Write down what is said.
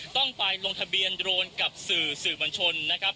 ต้องไปลงทะเบียนโดรนกับสื่อสื่อบัญชนนะครับ